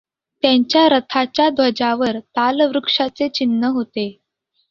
त्यांच्या रथाच्या ध्वजावर तालवृक्षाचे चिन्ह होते.